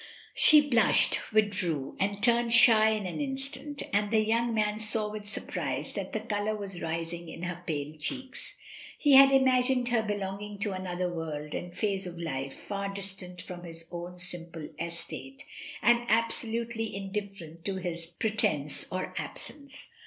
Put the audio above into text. She blushed, withdrew, and turned shy in an instant, and the young man saw with surprise that the colour was rising in her pale cheeks. He had imagined her belonging to another world and phase of life far distant from his own simple estate, and absolutely indifferent to his pre sence or absence.